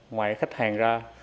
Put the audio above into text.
ngoài khách hàng ra